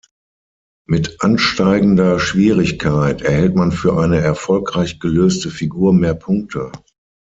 Mit ansteigender Schwierigkeit erhält man für eine erfolgreich gelöste Figur mehr Punkte.